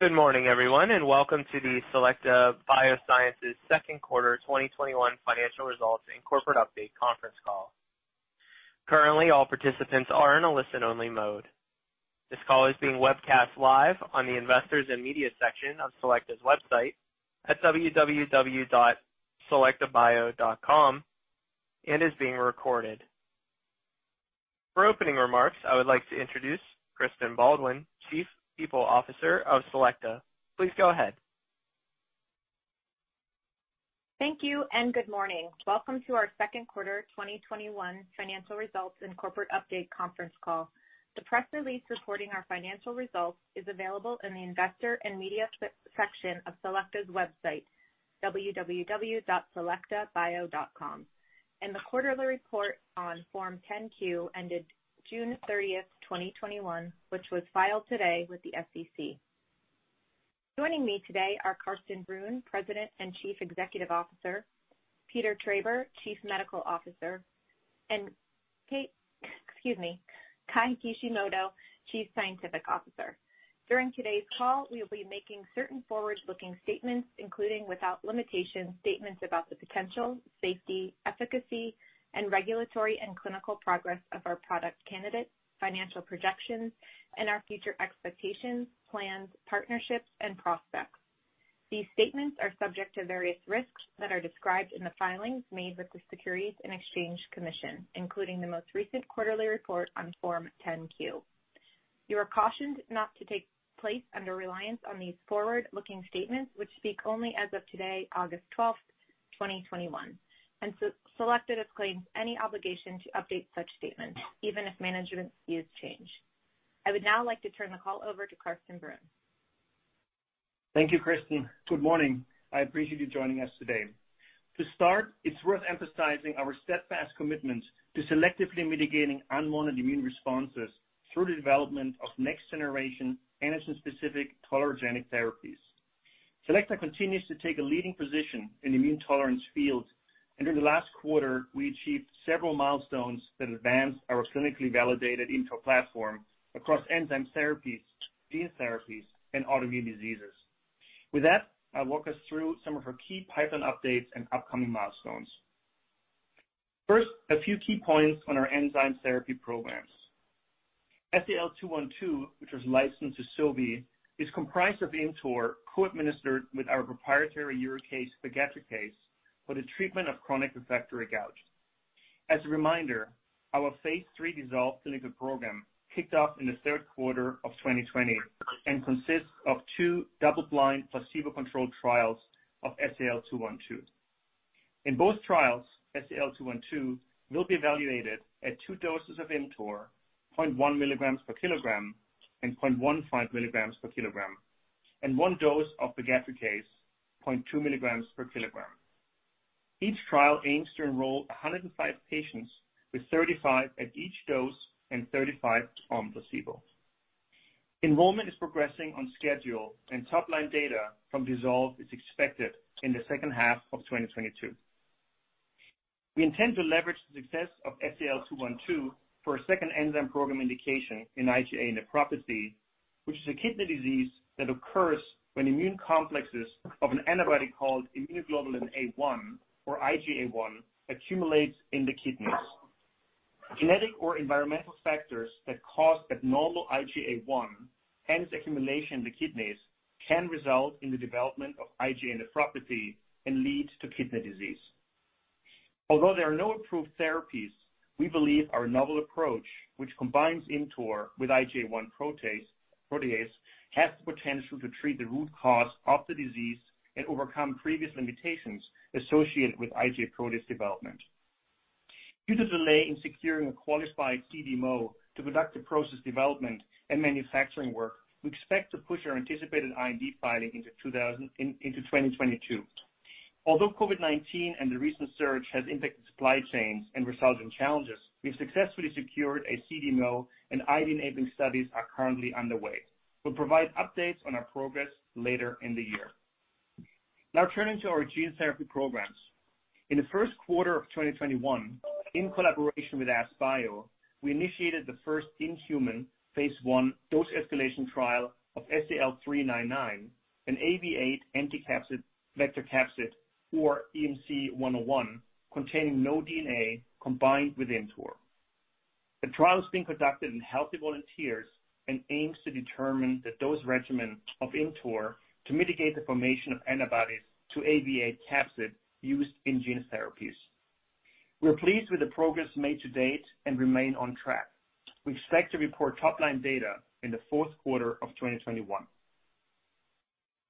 Good morning, everyone, welcome to the Selecta Biosciences second quarter 2021 financial results and corporate update conference call. Currently, all participants are in a listen-only mode. This call is being webcast live on the Investors and Media section of Selecta's website at www.selectabio.com and is being recorded. For opening remarks, I would like to introduce Kristen Baldwin, Chief People Officer of Selecta. Please go ahead. Thank you, and good morning. Welcome to our second quarter 2021 financial results and corporate update conference call. The press release reporting our financial results is available in the Investor and Media section of Selecta's website, www.selectabio.com, and the quarterly report on Form 10-Q ended June 30th, 2021, which was filed today with the SEC. Joining me today are Carsten Brunn, President and Chief Executive Officer, Peter Traber, Chief Medical Officer, and Kei Kishimoto, Chief Scientific Officer. During today's call, we will be making certain forward-looking statements, including, without limitation, statements about the potential, safety, efficacy, and regulatory and clinical progress of our product candidates, financial projections, and our future expectations, plans, partnerships, and prospects. These statements are subject to various risks that are described in the filings made with the Securities and Exchange Commission, including the most recent quarterly report on Form 10-Q. You are cautioned not to take place under reliance on these forward-looking statements, which speak only as of today, August 12th, 2021. Selecta disclaims any obligation to update such statements, even if management views change. I would now like to turn the call over to Carsten Brunn. Thank you, Kristen. Good morning. I appreciate you joining us today. To start, it's worth emphasizing our steadfast commitment to selectively mitigating unwanted immune responses through the development of next-generation antigen-specific tolerogenic therapies. Selecta continues to take a leading position in the immune tolerance field, and in the last quarter, we achieved several milestones that advanced our clinically validated ImmTOR platform across enzyme therapies, gene therapies, and autoimmune diseases. With that, I'll walk us through some of our key pipeline updates and upcoming milestones. First, a few key points on our enzyme therapy programs. SEL-212, which was licensed to Sobi, is comprised of ImmTOR co-administered with our proprietary urate oxidase, pegadricase, for the treatment of chronic refractory gout. As a reminder, our phase III DISSOLVE clinical program kicked off in the third quarter of 2020 and consists of two double-blind, placebo-controlled trials of SEL-212. In both trials, SEL-212 will be evaluated at two doses of ImmTOR, 0.1 mg per kg and 0.15 mg per kg, and one dose of pegadricase, 0.2 mg per kg. Each trial aims to enroll 105 patients, with 35 at each dose and 35 on placebo. Enrollment is progressing on schedule, and top-line data from DISSOLVE is expected in the second half of 2022. We intend to leverage the success of SEL-212 for a second enzyme program indication in IgA nephropathy, which is a kidney disease that occurs when immune complexes of an antibody called immunoglobulin A1 or IgA1 accumulates in the kidneys. Genetic or environmental factors that cause abnormal IgA1, hence accumulation in the kidneys, can result in the development of IgA nephropathy and lead to kidney disease. Although there are no approved therapies, we believe our novel approach, which combines ImmTOR with IgA1 protease, has the potential to treat the root cause of the disease and overcome previous limitations associated with IgA protease development. Due to delay in securing a qualified CDMO to conduct the process development and manufacturing work, we expect to push our anticipated IND filing into 2022. Although COVID-19 and the recent surge has impacted supply chains and resulted in challenges, we've successfully secured a CDMO, and IND-enabling studies are currently underway. We'll provide updates on our progress later in the year. Now turning to our gene therapy programs. In the first quarter of 2021, in collaboration with AskBio, we initiated the first in-human phase I dose escalation trial of SEL-399, an AAV8 empty vector capsid, or EMC-101, containing no DNA combined with ImmTOR. The trial is being conducted in healthy volunteers and aims to determine the dose regimen of ImmTOR to mitigate the formation of antibodies to AAV8 capsid used in gene therapies. We're pleased with the progress made to date and remain on track. We expect to report top-line data in the fourth quarter of 2021.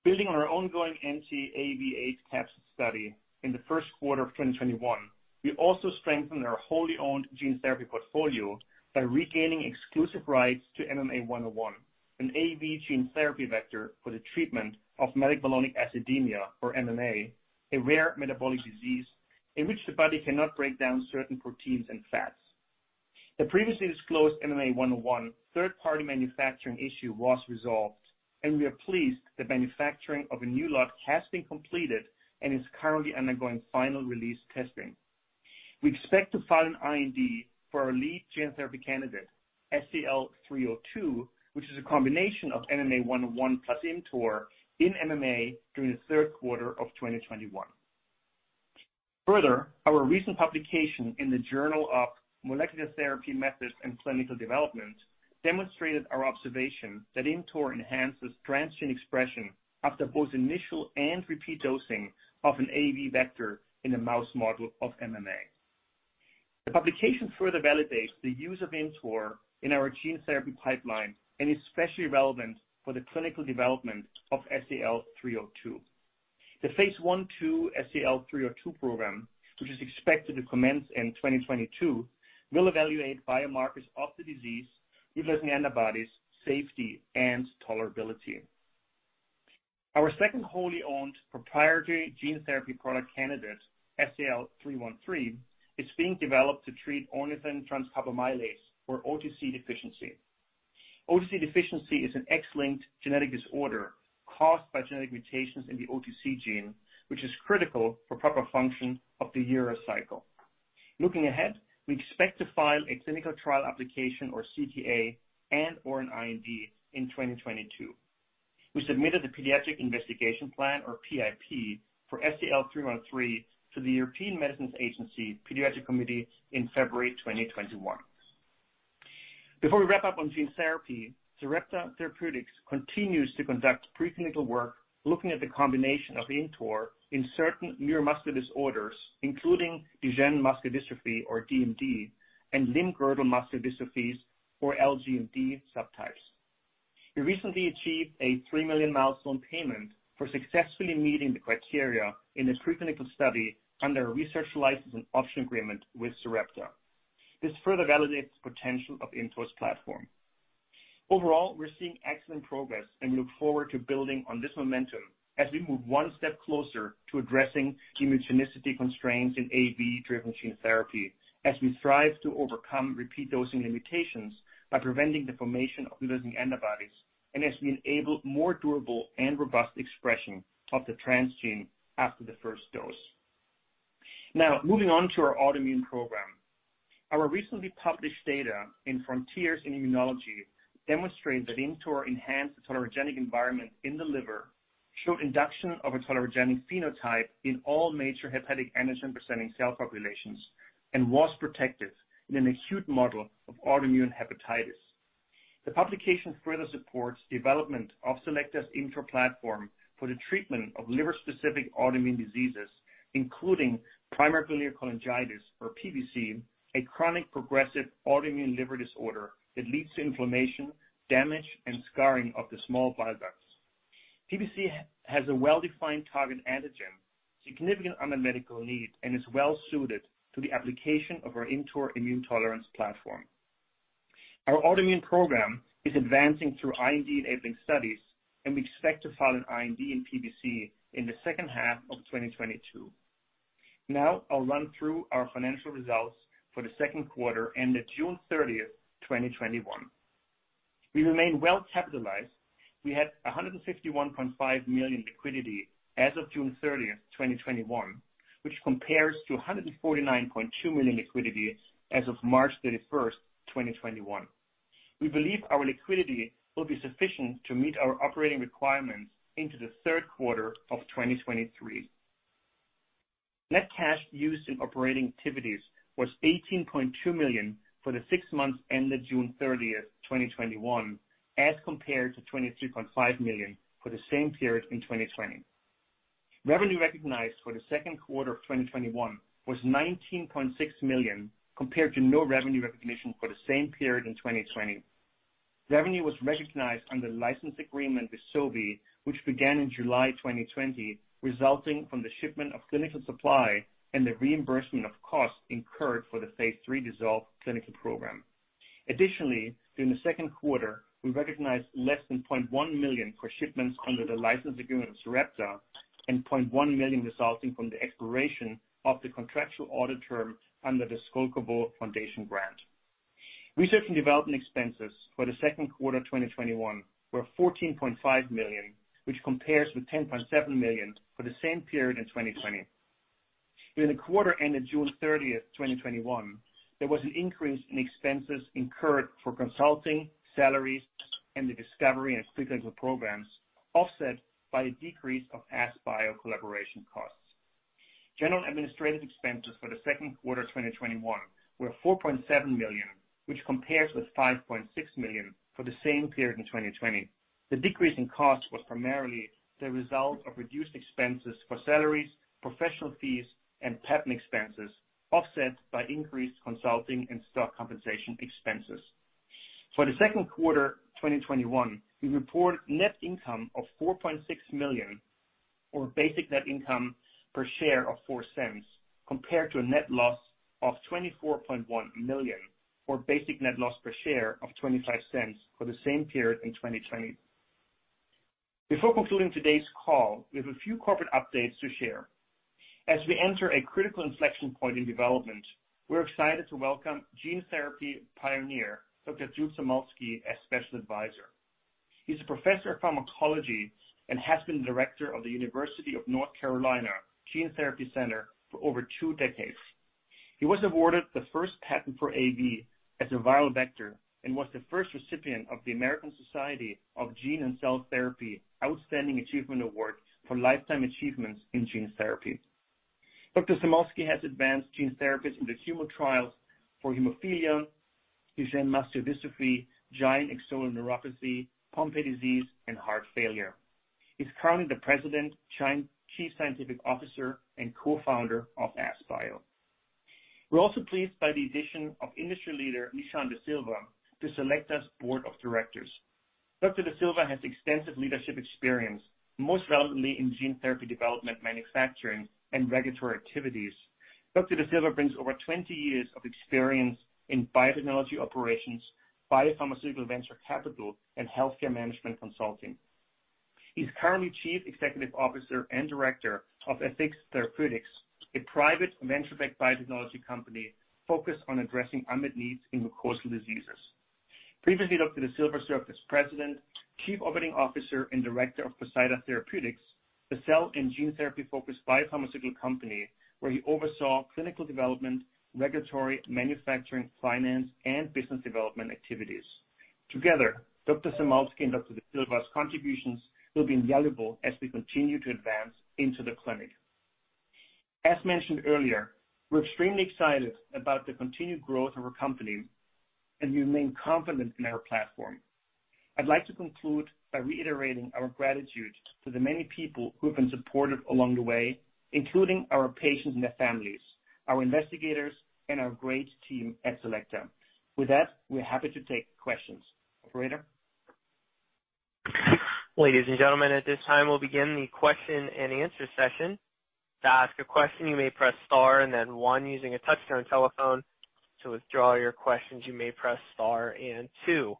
Building on our ongoing anti-AAV8 capsid study in the first quarter of 2021, we also strengthened our wholly owned gene therapy portfolio by regaining exclusive rights to MMA-101, an AAV gene therapy vector for the treatment of methylmalonic acidemia, or MMA, a rare metabolic disease in which the body cannot break down certain proteins and fats. The previously disclosed MMA-101 third-party manufacturing issue was resolved, and we are pleased the manufacturing of a new lot has been completed and is currently undergoing final release testing. We expect to file an IND for our lead gene therapy candidate, SEL-302, which is a combination of MMA-101 plus ImmTOR in MMA during the third quarter of 2021. Further, our recent publication in the Journal of Molecular Therapy: Methods & Clinical Development demonstrated our observation that ImmTOR enhances transgene expression after both initial and repeat dosing of an AAV vector in a mouse model of MMA. The publication further validates the use of ImmTOR in our gene therapy pipeline and is especially relevant for the clinical development of SEL-302. The phase I/II SEL-302 program, which is expected to commence in 2022, will evaluate biomarkers of the disease, neutralizing antibodies, safety, and tolerability. Our second wholly owned proprietary gene therapy product candidate, SEL-313, is being developed to treat ornithine transcarbamylase or OTC deficiency. OTC deficiency is an X-linked genetic disorder caused by genetic mutations in the OTC gene, which is critical for proper function of the urea cycle. Looking ahead, we expect to file a clinical trial application or CTA and/or an IND in 2022. We submitted the pediatric investigation plan, or PIP, for SEL-313 to the European Medicines Agency Paediatric Committee in February 2021. Before we wrap up on gene therapy, Sarepta Therapeutics continues to conduct pre-clinical work looking at the combination of ImmTOR in certain neuromuscular disorders, including Duchenne muscular dystrophy or DMD, and limb-girdle muscle dystrophies or LGMD subtypes. We recently achieved a $3 million milestone payment for successfully meeting the criteria in this pre-clinical study under a research license and option agreement with Sarepta. This further validates the potential of ImmTOR's platform. Overall, we're seeing excellent progress, and we look forward to building on this momentum as we move one step closer to addressing immunogenicity constraints in AAV-driven gene therapy, as we strive to overcome repeat dosing limitations by preventing the formation of neutralizing antibodies, and as we enable more durable and robust expression of the transgene after the first dose. Now, moving on to our autoimmune program. Our recently published data in Frontiers in Immunology demonstrate that ImmTOR enhanced the tolerogenic environment in the liver, showed induction of a tolerogenic phenotype in all major hepatic antigen-presenting cell populations, and was protective in an acute model of autoimmune hepatitis. The publication further supports development of Selecta's ImmTOR platform for the treatment of liver-specific autoimmune diseases, including primary biliary cholangitis or PBC, a chronic progressive autoimmune liver disorder that leads to inflammation, damage, and scarring of the small bile ducts. PBC has a well-defined target antigen, significant unmet medical need, and is well suited to the application of our ImmTOR immune tolerance platform. Our autoimmune program is advancing through IND-enabling studies. We expect to file an IND in PBC in the second half of 2022. I'll run through our financial results for the second quarter ended June 30th, 2021. We remain well capitalized. We had $151.5 million liquidity as of June 30th, 2021, which compares to $149.2 million liquidity as of March 31st, 2021. We believe our liquidity will be sufficient to meet our operating requirements into the third quarter of 2023. Net cash used in operating activities was $18.2 million for the six months ended June 30th, 2021, as compared to $23.5 million for the same period in 2020. Revenue recognized for the second quarter of 2021 was $19.6 million compared to no revenue recognition for the same period in 2020. Revenue was recognized under license agreement with Sobi, which began in July 2020, resulting from the shipment of clinical supply and the reimbursement of costs incurred for the phase III DISSOLVE clinical program. Additionally, during the second quarter, we recognized less than $0.1 million for shipments under the license agreement with Sarepta and $0.1 million resulting from the expiration of the contractual audit term under the Skolkovo Foundation grant. Research and development expenses for the second quarter 2021 were $14.5 million, which compares with $10.7 million for the same period in 2020. During the quarter ended June 30th, 2021, there was an increase in expenses incurred for consulting, salaries, and the discovery and preclinical programs, offset by a decrease of AskBio collaboration costs. General administrative expenses for the second quarter 2021 were $4.7 million, which compares with $5.6 million for the same period in 2020. The decrease in cost was primarily the result of reduced expenses for salaries, professional fees, and patent expenses, offset by increased consulting and stock compensation expenses. For the second quarter 2021, we report net income of $4.6 million or basic net income per share of $0.04, compared to a net loss of $24.1 million or basic net loss per share of $0.25 for the same period in 2020. Before concluding today's call, we have a few corporate updates to share. As we enter a critical inflection point in development, we're excited to welcome gene therapy pioneer, Dr. Jude Samulski, as special advisor. He's a professor of pharmacology and has been the director of the University of North Carolina Gene Therapy Center for over two decades. He was awarded the first patent for AAV as a viral vector and was the first recipient of the American Society of Gene & Cell Therapy Outstanding Achievement Award for lifetime achievements in gene therapy. Dr. Samulski has advanced gene therapies into human trials for hemophilia, Duchenne muscular dystrophy, giant axonal neuropathy, Pompe disease, and heart failure. He's currently the president, chief scientific officer, and co-founder of AskBio. We're also pleased by the addition of industry leader Nishan de Silva to Selecta's board of directors. Dr. de Silva has extensive leadership experience, most relevantly in gene therapy development, manufacturing, and regulatory activities. Dr. de Silva brings over 20 years of experience in biotechnology operations, biopharmaceutical venture capital, and healthcare management consulting. He's currently Chief Executive Officer and Director of AFYX Therapeutics, a private venture-backed biotechnology company focused on addressing unmet needs in mucosal diseases. Previously, Dr. de Silva served as President, Chief Operating Officer, and Director of Poseida Therapeutics, a cell and gene therapy-focused biopharmaceutical company where he oversaw clinical development, regulatory, manufacturing, finance, and business development activities. Together, Dr. Samulski and Dr. de Silva's contributions will be invaluable as we continue to advance into the clinic. As mentioned earlier, we're extremely excited about the continued growth of our company. We remain confident in our platform. I'd like to conclude by reiterating our gratitude to the many people who have been supportive along the way, including our patients and their families, our investigators, and our great team at Selecta. With that, we're happy to take questions. Operator? Ladies and gentlemen, at this time, we'll begin the question and answer session. To ask a question, you may press star and then one using a touchtone telephone. To withdraw your question, you may press star and two.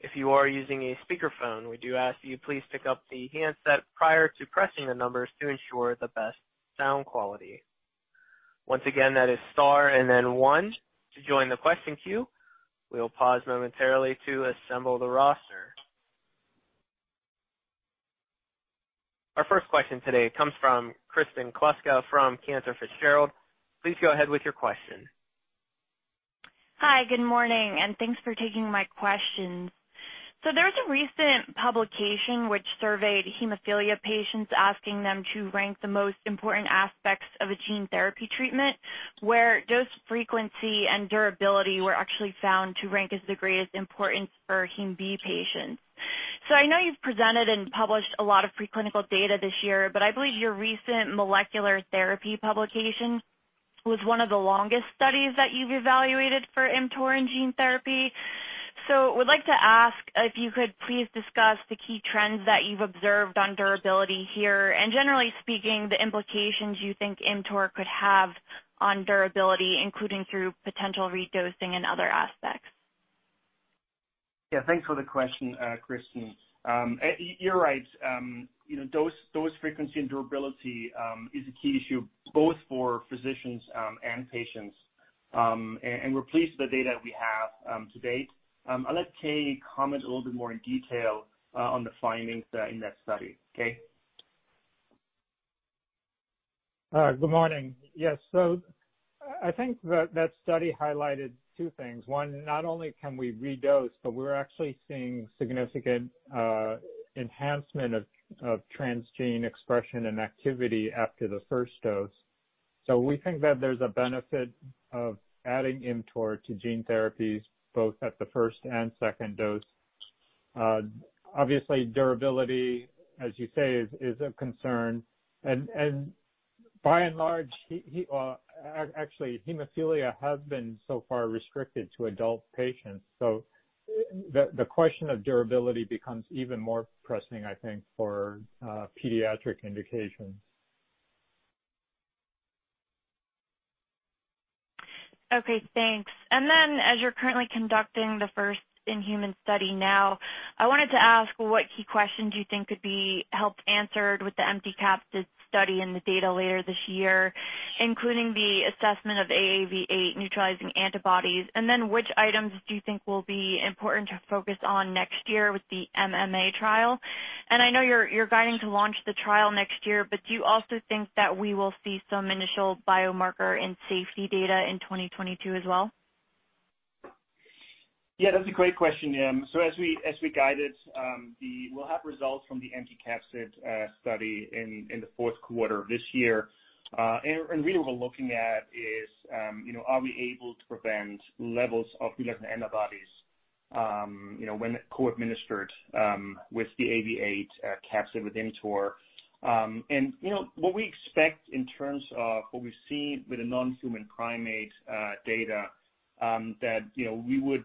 If you are using a speakerphone, we do ask you to please pick up the handset prior to pressing your numbers to ensure the best sound quality. Once again, that is star and then one to join the question queue. We will pause momentarily to assemble the roster. Our first question today comes from Kristen Kluska from Cantor Fitzgerald. Please go ahead with your question Hi, good morning, and thanks for taking my questions. There was a recent publication which surveyed hemophilia patients asking them to rank the most important aspects of a gene therapy treatment, where dose frequency and durability were actually found to rank as the greatest importance for Hem B patients. I know you've presented and published a lot of preclinical data this year, but I believe your recent Molecular Therapy publication was one of the longest studies that you've evaluated for ImmTOR and gene therapy. Would like to ask if you could please discuss the key trends that you've observed on durability here, and generally speaking, the implications you think ImmTOR could have on durability, including through potential redosing and other aspects. Yeah, thanks for the question, Kristen. You're right. Dose frequency and durability is a key issue both for physicians and patients. We're pleased with the data we have to date. I'll let Kei comment a little bit more in detail on the findings in that study. Kei? Good morning. Yes. I think that study highlighted two things. One, not only can we redose, but we're actually seeing significant enhancement of transgene expression and activity after the first dose. We think that there's a benefit of adding ImmTOR to gene therapies, both at the first and second dose. Obviously, durability, as you say, is a concern. By and large, actually, hemophilia has been so far restricted to adult patients. The question of durability becomes even more pressing, I think, for pediatric indications. Okay, thanks. As you're currently conducting the first-in-human study now, I wanted to ask what key questions you think could be helped answered with the empty capsid study and the data later this year, including the assessment of AAV8 neutralizing antibodies, and then which items do you think will be important to focus on next year with the MMA trial? I know you're guiding to launch the trial next year, but do you also think that we will see some initial biomarker and safety data in 2022 as well? Yeah, that's a great question. As we guided, we'll have results from the empty capsid study in the fourth quarter of this year. Really what we're looking at is are we able to prevent levels of antibodies when co-administered with the AAV8 capsid with ImmTOR. What we expect in terms of what we've seen with the non-human primate data, that we would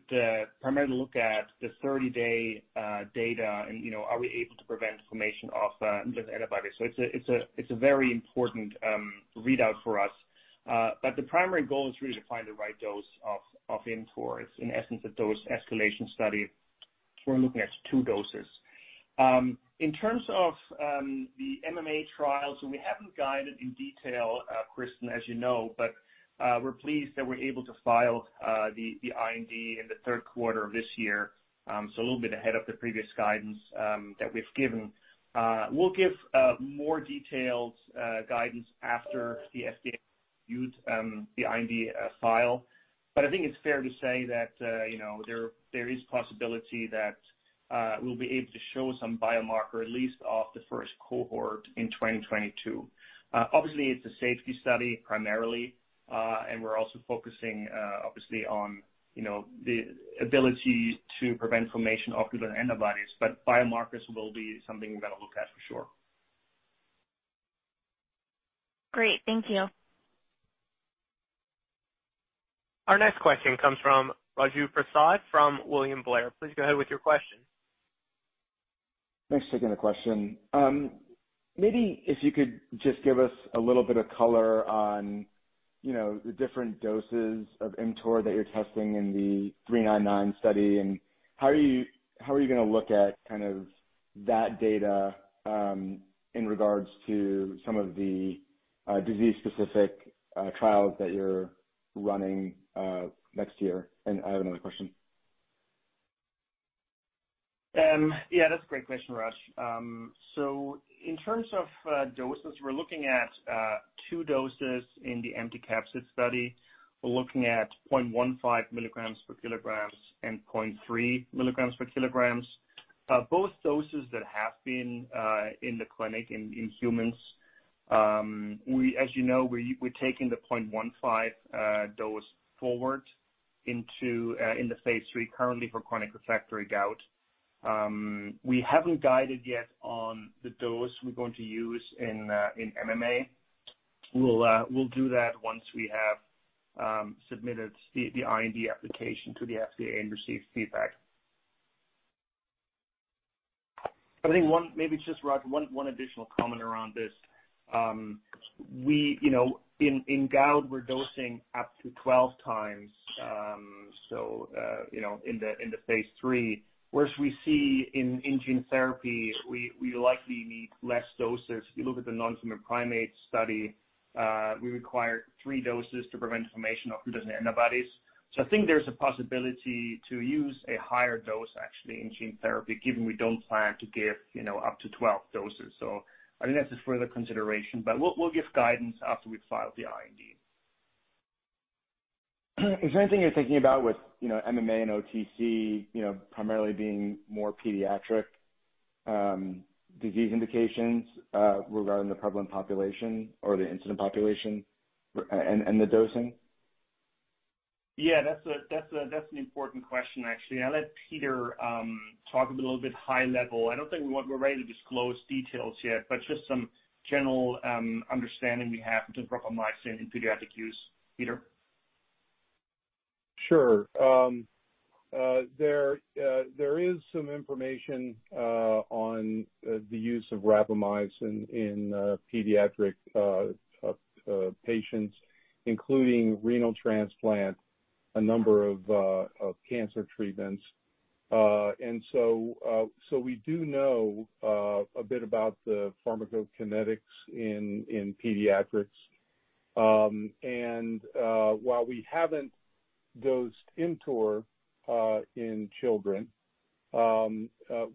primarily look at the 30-day data and are we able to prevent the formation of antibodies. It's a very important readout for us. The primary goal is really to find the right dose of ImmTOR. It's in essence a dose escalation study, so we're looking at two doses. In terms of the MMA trials, we haven't guided in detail, Kristen, as you know, but we're pleased that we're able to file the IND in the third quarter of this year, so a little bit ahead of the previous guidance that we've given. We'll give more detailed guidance after the FDA reviewed the IND file, but I think it's fair to say that there is possibility that we'll be able to show some biomarker at least of the first cohort in 2022. Obviously, it's a safety study primarily, and we're also focusing, obviously, on the ability to prevent formation of human antibodies. Biomarkers will be something we're going to look at for sure. Great. Thank you. Our next question comes from Raju Prasad from William Blair. Please go ahead with your question. Thanks for taking the question. Maybe if you could just give us a little bit of color on the different doses of ImmTOR that you're testing in the 399 study, and how are you going to look at that data in regards to some of the disease-specific trials that you're running next year? I have another question. Yeah, that's a great question, Raj. In terms of doses, we're looking at two doses in the anticapsid study. We're looking at 0.15 mg per kg and 0.3 mg per kg. Both doses that have been in the clinic in humans. As you know, we're taking the 0.15 dose forward in the phase III currently for chronic refractory gout. We haven't guided yet on the dose we're going to use in MMA. We'll do that once we have submitted the IND application to the FDA and received feedback. I think, maybe just Raj, one additional comment around this. In gout, we're dosing up to 12 times, so in the phase III. Whereas we see in gene therapy, we likely need less doses. If you look at the non-human primate study, we require three doses to prevent inflammation of human antibodies. I think there's a possibility to use a higher dose, actually, in gene therapy, given we don't plan to give up to 12 doses. I think that's a further consideration, but we'll give guidance after we've filed the IND. Is there anything you're thinking about with MMA and OTC primarily being more pediatric disease indications regarding the prevalent population or the incident population and the dosing? Yeah, that's an important question, actually. I'll let Peter talk a little bit high level. I don't think we're ready to disclose details yet, but just some general understanding we have in rapamycin in pediatric use. Peter? Sure. There is some information on the use of rapamycin in pediatric patients, including renal transplant, a number of cancer treatments. We do know a bit about the pharmacokinetics in pediatrics. While we haven't dosed ImmTOR in children,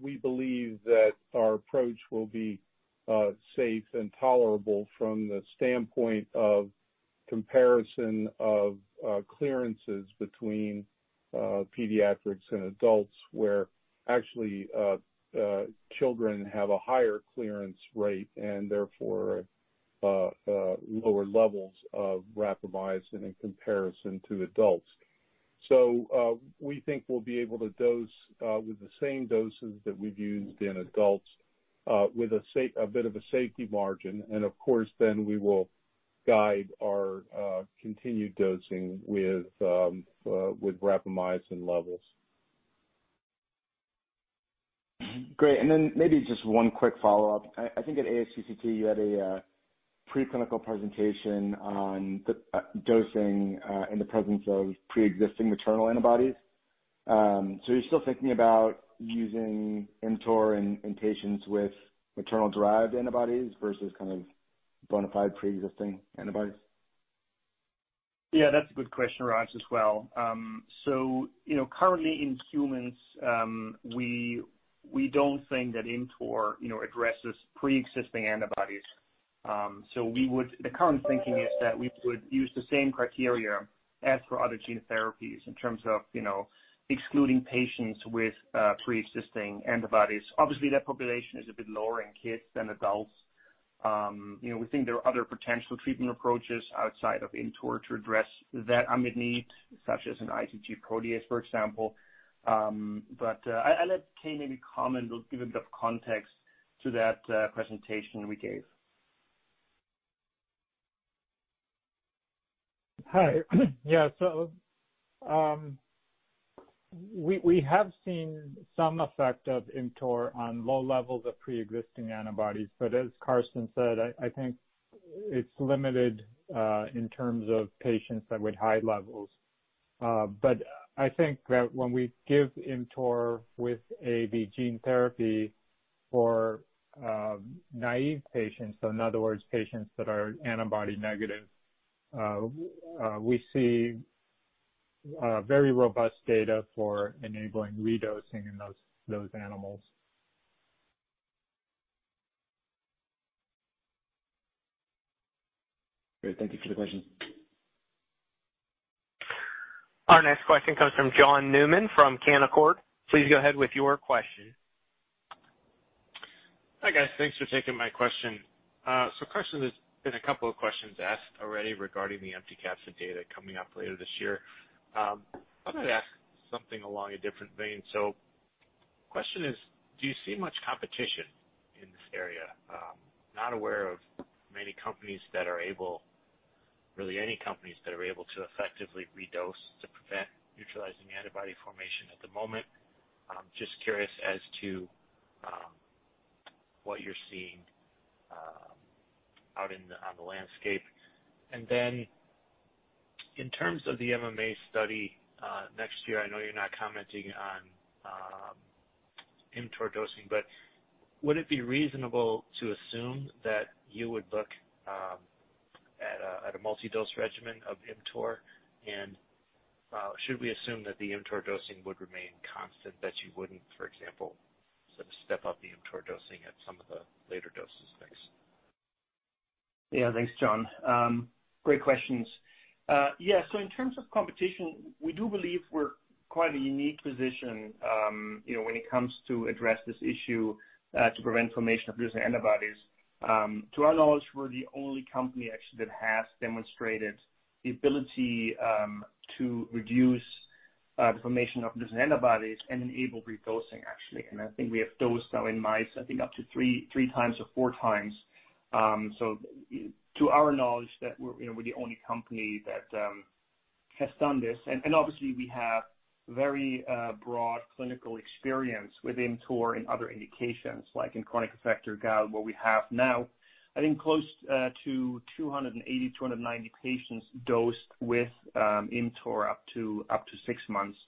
we believe that our approach will be safe and tolerable from the standpoint of comparison of clearances between pediatrics and adults, where actually, children have a higher clearance rate and therefore lower levels of rapamycin in comparison to adults. We think we'll be able to dose with the same doses that we've used in adults, with a bit of a safety margin. We will guide our continued dosing with rapamycin levels. Great. Maybe just one quick follow-up. I think at ASGCT you had a preclinical presentation on the dosing in the presence of preexisting maternal antibodies. You're still thinking about using ImmTOR in patients with maternal-derived antibodies versus kind of bonafide preexisting antibodies? Yeah, that's a good question, Raj, as well. Currently in humans, we don't think that ImmTOR addresses preexisting antibodies. The current thinking is that we would use the same criteria as for other gene therapies in terms of excluding patients with preexisting antibodies. Obviously, that population is a bit lower in kids than adults. We think there are other potential treatment approaches outside of ImmTOR to address that unmet need, such as an IgG protease, for example. I'll let Kei maybe comment or give a bit of context to that presentation we gave. Hi. Yeah, we have seen some effect of ImmTOR on low levels of preexisting antibodies. As Carsten said, I think it's limited in terms of patients that with high levels. I think that when we give ImmTOR with AAV gene therapy for naive patients, in other words, patients that are antibody negative, we see very robust data for enabling redosing in those animals. Great. Thank you for the question. Our next question comes from John Newman from Canaccord. Please go ahead with your question. Hi, guys. Thanks for taking my question. Carsten, there's been a couple of questions asked already regarding the empty capsid data coming up later this year. I'm going to ask something along a different vein. The question is: do you see much competition in this area? Not aware of many companies, really any companies, that are able to effectively redose to prevent neutralizing antibody formation at the moment. Just curious as to what you're seeing out on the landscape. Then in terms of the MMA study, next year, I know you're not commenting on ImmTOR dosing, but would it be reasonable to assume that you would look at a multi-dose regimen of ImmTOR? Should we assume that the ImmTOR dosing would remain constant, that you wouldn't, for example, sort of step up the ImmTOR dosing at some of the later doses next? Yeah. Thanks, John. Great questions. Yeah, in terms of competition, we do believe we're quite in a unique position when it comes to address this issue, to prevent formation of neutralizing antibodies. To our knowledge, we're the only company actually that has demonstrated the ability to reduce the formation of neutralizing antibodies and enable redosing, actually. I think we have dosed now in mice, I think up to three times or four times. To our knowledge, we're the only company that has done this. Obviously we have very broad clinical experience with ImmTOR in other indications, like in chronic refractory gout, where we have now, I think, close to 280, 290 patients dosed with ImmTOR up to six months.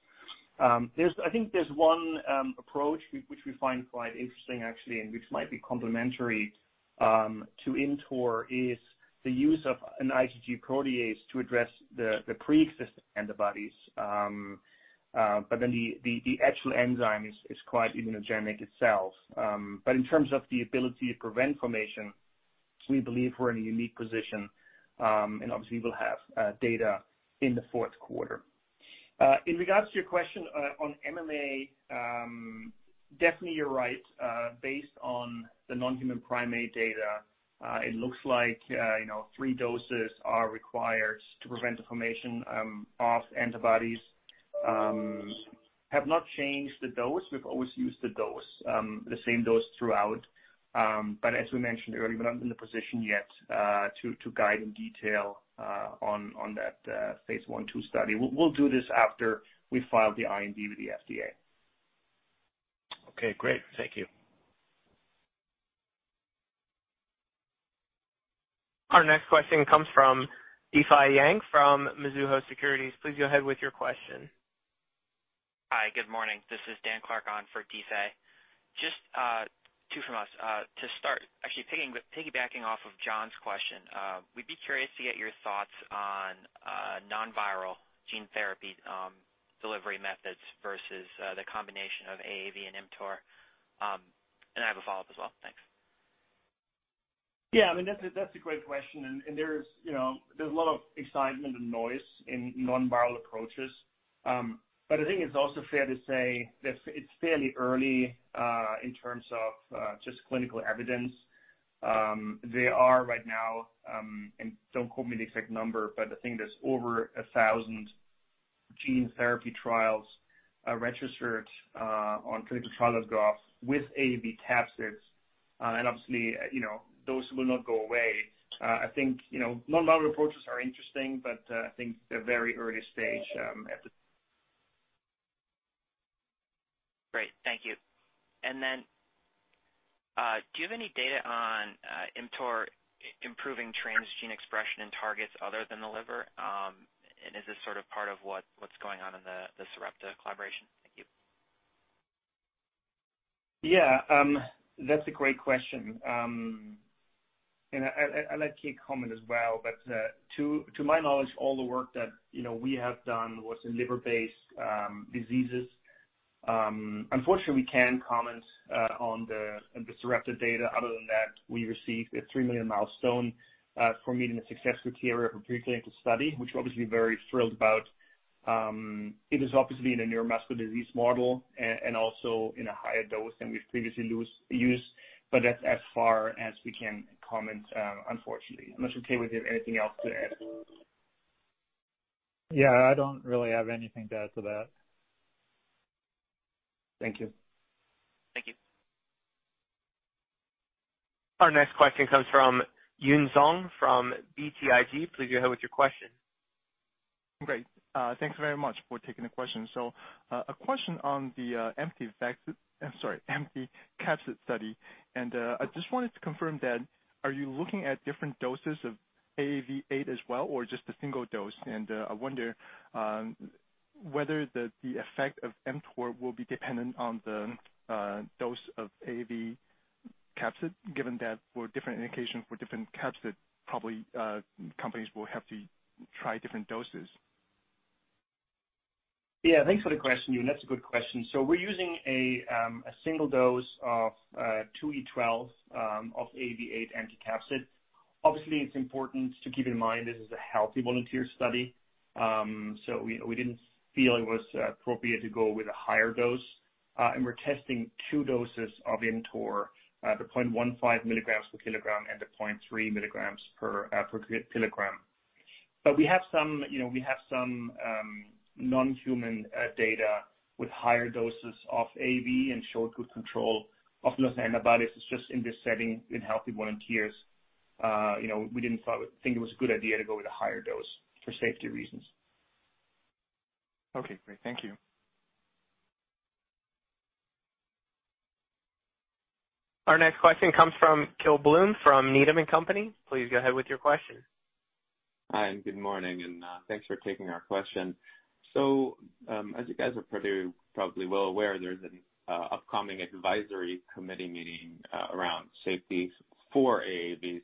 I think there's one approach which we find quite interesting actually, which might be complementary to ImmTOR, is the use of an IgG protease to address the preexisting antibodies. The actual enzyme is quite immunogenic itself. In terms of the ability to prevent formation, we believe we're in a unique position. Obviously we'll have data in the fourth quarter. In regards to your question on MMA, definitely you're right. Based on the non-human primate data, it looks like three doses are required to prevent the formation of antibodies. Have not changed the dose. We've always used the same dose throughout. As we mentioned earlier, we're not in the position yet to guide in detail on that phase I/II study. We'll do this after we file the IND with the FDA. Okay, great. Thank you. Our next question comes from Difei Yang from Mizuho Securities. Please go ahead with your question. Hi, good morning. This is Dan Clark on for Difei. Just two from us. To start, actually piggybacking off of John's question. We'd be curious to get your thoughts on non-viral gene therapy delivery methods versus the combination of AAV and ImmTOR. I have a follow-up as well. Thanks. That's a great question, there's a lot of excitement and noise in non-viral approaches. I think it's also fair to say that it's fairly early, in terms of just clinical evidence. There are right now, and don't quote me the exact number, but I think there's over 1,000 gene therapy trials registered on clinicaltrials.gov with AAV capsids. Obviously, those will not go away. I think non-viral approaches are interesting, but I think they're very early stage. Great. Thank you. Do you have any data on ImmTOR improving transgene expression in targets other than the liver? Is this sort of part of what's going on in the Sarepta collaboration? Thank you. Yeah. That's a great question. I'll let Kei comment as well, but to my knowledge, all the work that we have done was in liver-based diseases. Unfortunately, we can't comment on the Sarepta data. Other than that, we received a $3 million milestone for meeting the success criteria for a preclinical study, which we're obviously very thrilled about. It is obviously in a neuromuscular disease model and also in a higher dose than we've previously used, but that's as far as we can comment, unfortunately. Unless Kei, you have anything else to add. Yeah, I don't really have anything to add to that. Thank you. Thank you. Our next question comes from Yun Zhong from BTIG. Please go ahead with your question. Great. Thanks very much for taking the question. A question on the empty capsid study, and I just wanted to confirm that, are you looking at different doses of AAV8 as well, or just a single dose? Whether the effect of ImmTOR will be dependent on the dose of AAV capsid, given that for different indications for different capsids, probably companies will have to try different doses? Thanks for the question, Yun. That's a good question. We're using a single dose of two E12 of AAV8 capsid. Obviously, it's important to keep in mind this is a healthy volunteer study, we didn't feel it was appropriate to go with a higher dose. We're testing two doses of ImmTOR, the 0.15 mg per kg and the 0.3 mg per kg. We have some non-human data with higher doses of AAV and showed good control of neutralizing antibodies. It's just in this setting in healthy volunteers, we didn't think it was a good idea to go with a higher dose for safety reasons. Okay, great. Thank you. Our next question comes from Gil Blum from Needham & Company. Please go ahead with your question. Hi, and good morning, and thanks for taking our question. As you guys are probably well aware, there's an upcoming advisory committee meeting around safety for AAVs.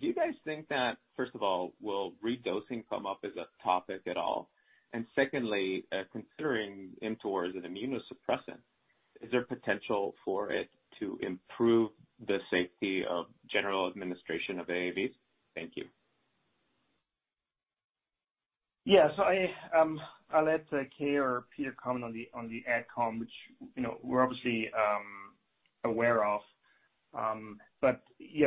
Do you guys think that, first of all, will re-dosing come up as a topic at all? Secondly, considering ImmTOR is an immunosuppressant, is there potential for it to improve the safety of general administration of AAVs? Thank you. I'll let Kei or Peter comment on the AdCom, which we're obviously aware of.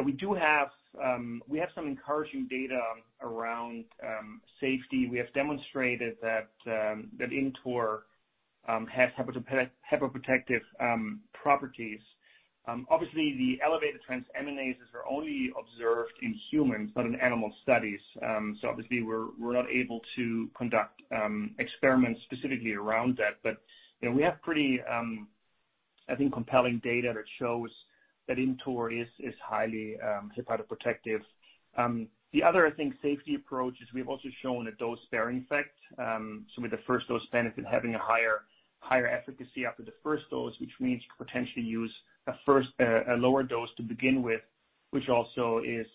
We do have some encouraging data around safety. We have demonstrated that ImmTOR has hepatoprotective properties. Obviously, the elevated transaminases are only observed in humans, not in animal studies. Obviously, we're not able to conduct experiments specifically around that. We have pretty, I think, compelling data that shows that ImmTOR is highly hepatoprotective. The other, I think, safety approach is we've also shown a dose-sparing effect. With the first dose benefit having a higher efficacy after the first dose, which means you could potentially use a lower dose to begin with, which also is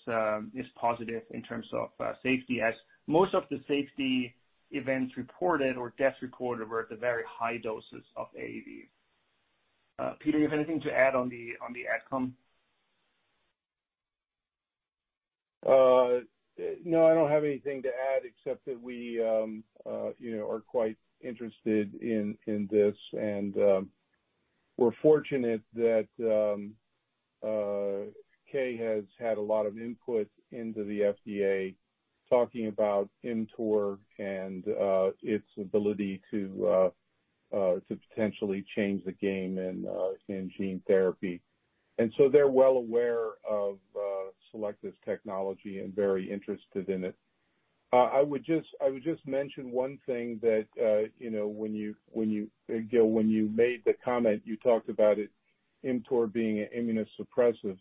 positive in terms of safety, as most of the safety events reported or deaths reported were at the very high doses of AAV. Peter, you have anything to add on the outcome? No, I don't have anything to add except that we are quite interested in this, and we're fortunate that Kei has had a lot of input into the FDA talking about ImmTOR and its ability to potentially change the game in gene therapy. They're well aware of Selecta's technology and very interested in it. I would just mention one thing that, Gil, when you made the comment, you talked about ImmTOR being an immunosuppressive.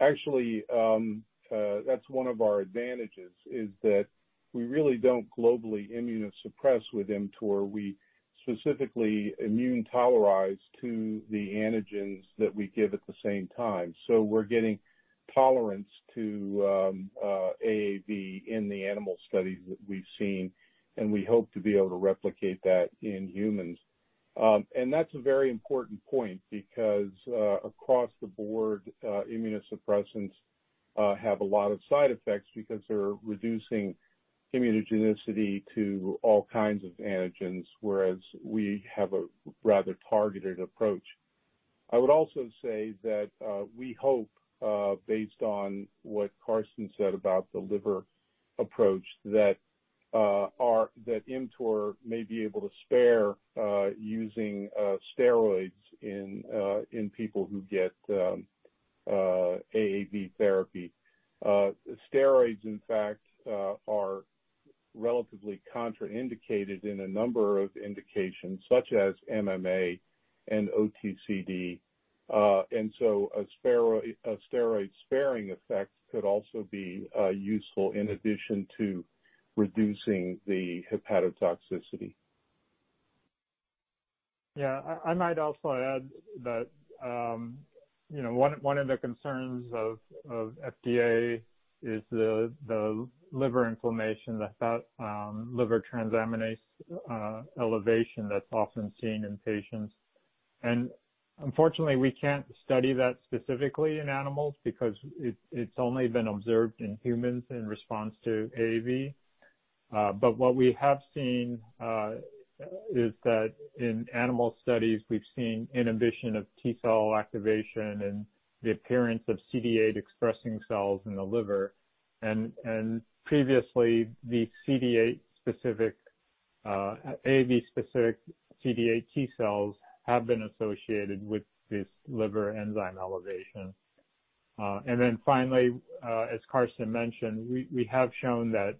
Actually, that's one of our advantages is that we really don't globally immunosuppress with ImmTOR. We specifically immune tolerize to the antigens that we give at the same time. We're getting tolerance to AAV in the animal studies that we've seen, and we hope to be able to replicate that in humans. That's a very important point because, across the board, immunosuppressants have a lot of side effects because they're reducing immunogenicity to all kinds of antigens, whereas we have a rather targeted approach. I would also say that we hope, based on what Carsten said about the liver approach, that ImmTOR may be able to spare using steroids in people who get AAV therapy. Steroids, in fact, are relatively contraindicated in a number of indications, such as MMA and OTCD. So a steroid-sparing effect could also be useful in addition to reducing the hepatotoxicity. Yeah, I might also add that one of the concerns of FDA is the liver inflammation, that liver transaminase elevation that's often seen in patients. Unfortunately, we can't study that specifically in animals because it's only been observed in humans in response to AAV. What we have seen is that in animal studies, we've seen inhibition of T cell activation and the appearance of CD8 expressing cells in the liver. Previously, the AAV specific CD8 T cells have been associated with this liver enzyme elevation. Finally, as Carsten mentioned, we have shown that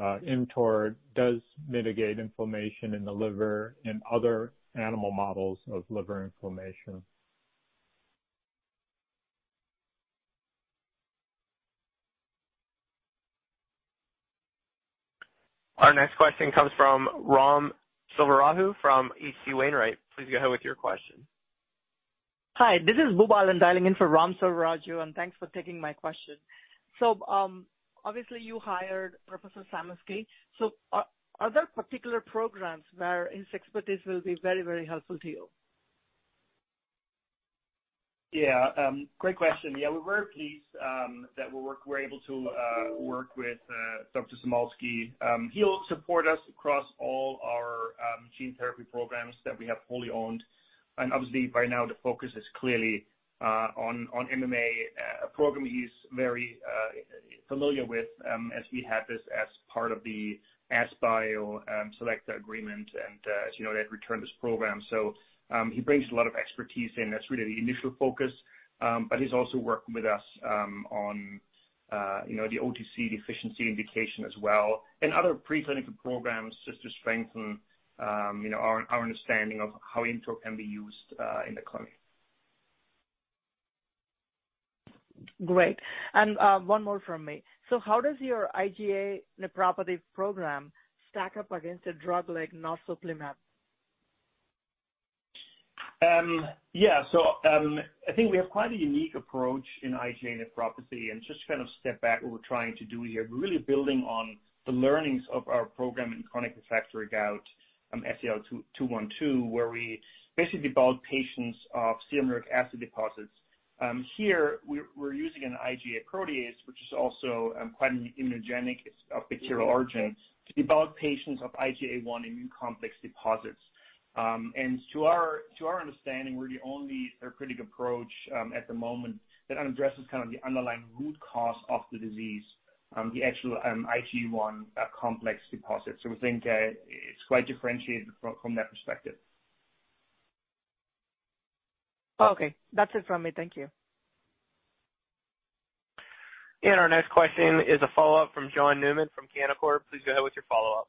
ImmTOR does mitigate inflammation in the liver in other animal models of liver inflammation. Our next question comes from Ram Selvaraju from H.C. Wainwright. Please go ahead with your question. Hi, this is Boobalan dialing in for Ram Selvaraju. Thanks for taking my question. Obviously, you hired Professor Samulski. Are there particular programs where his expertise will be very helpful to you? Yeah. Great question. Yeah, we were pleased that we were able to work with Dr. Samulski. He'll support us across all our gene therapy programs that we have wholly owned. Obviously, by now the focus is clearly on MMA, a program he's very familiar with, as we had this as part of the Selecta agreement. As you know, they've returned this program. He brings a lot of expertise in. That's really the initial focus. He's also working with us on the OTC deficiency indication as well, and other preclinical programs just to strengthen our understanding of how ImmTOR can be used in the clinic. Great. One more from me. How does your IgA nephropathy program stack up against a drug like narsoplimab? Yeah, I think we have quite a unique approach in IgA nephropathy and just to kind of step back what we're trying to do here, we're really building on the learnings of our program in chronic refractory gout, SEL-212, where we basically debulk patients of sodium urate acid deposits. Here, we're using an IgA protease, which is also quite an immunogenic, it's of bacterial origin, to debulk patients of IgA1 immune complex deposits. To our understanding, we're the only therapeutic approach at the moment that addresses the underlying root cause of the disease, the actual IgA1 complex deposit. We think that it's quite differentiated from that perspective. Okay. That's it from me. Thank you. Our next question is a follow-up from John Newman from Canaccord. Please go ahead with your follow-up.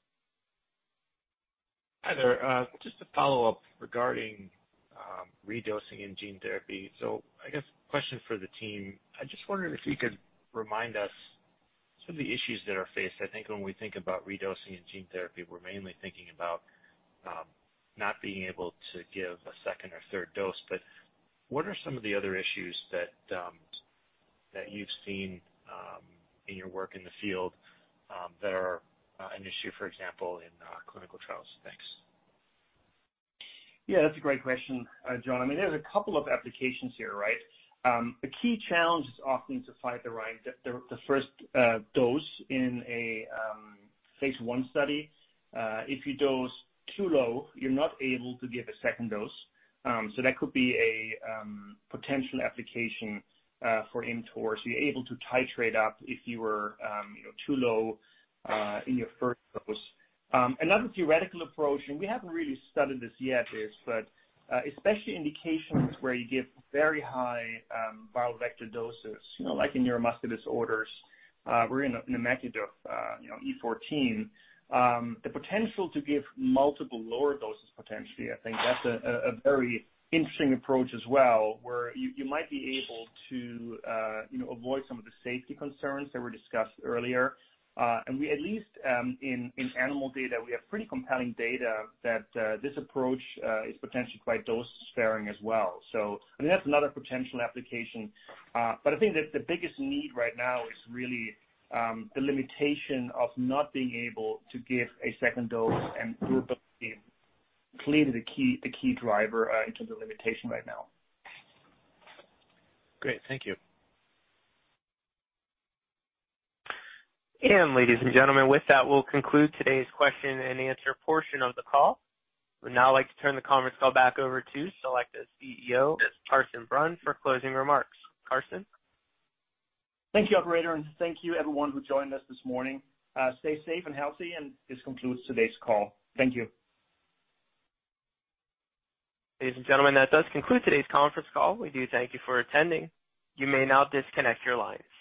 Hi there. Just a follow-up regarding redosing in gene therapy. I guess question for the team. I just wondered if you could remind us some of the issues that are faced. I think when we think about redosing in gene therapy, we're mainly thinking about not being able to give a second or third dose, but what are some of the other issues that you've seen in your work in the field that are an issue, for example, in clinical trials? Thanks. Yeah, that's a great question, John. I mean, there's a couple of applications here, right? The key challenge is often to find the first dose in a phase I study. If you dose too low, you're not able to give a second dose. That could be a potential application for ImmTOR. You're able to titrate up if you were too low in your first dose. Another theoretical approach, we haven't really studied this yet, is, but especially indications where you give very high viral vector doses, like in neuromuscular disorders, we're in the [mecha of E14]. The potential to give multiple lower doses, potentially, I think that's a very interesting approach as well, where you might be able to avoid some of the safety concerns that were discussed earlier. We at least, in animal data, we have pretty compelling data that this approach is potentially quite dose-sparing as well. I mean, that's another potential application. I think that the biggest need right now is really the limitation of not being able to give a second dose and [group A] is clearly the key driver in terms of limitation right now. Great. Thank you. Ladies and gentlemen, with that, we'll conclude today's question and answer portion of the call. I would now like to turn the conference call back over to Selecta's CEO, Carsten Brunn, for closing remarks. Carsten? Thank you, operator. Thank you everyone who joined us this morning. Stay safe and healthy. This concludes today's call. Thank you. Ladies and gentlemen, that does conclude today's conference call. We do thank you for attending. You may now disconnect your lines.